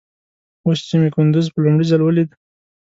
اوس چې مې کندوز په لومړي ځل وليد.